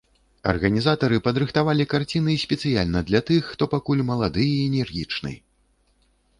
Арганізатары падрыхтавалі карціны спецыяльна для тых, хто пакуль малады і энергічны.